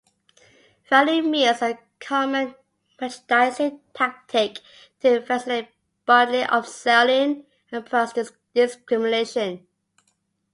Value meals are a common merchandising tactic to facilitate bundling, up-selling, and price discrimination.